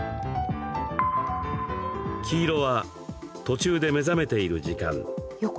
黄色は、途中で目覚めている時間。